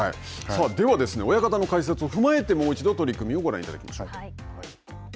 では、親方の解説を踏まえて、もう一度取組をご覧いただきましょう。